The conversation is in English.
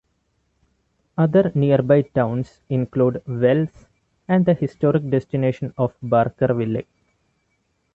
Other nearby towns include Wells and the historic destination of Barkerville.